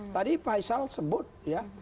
tadi pak aisal sebut ya